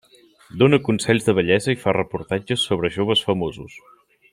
Dóna consells de bellesa i fa reportatges sobre joves famosos.